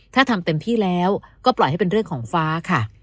ถ้าทำเต็มที่แล้วก็ปล่อยให้เป็นเรื่องของฟ้าค่ะ